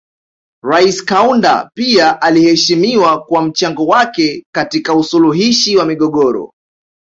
Rais Kaunda pia aliheshimiwa kwa mchango wake katika usuluhishi wa migogoro